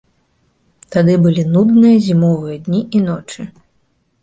Тады былі нудныя зімовыя дні і ночы.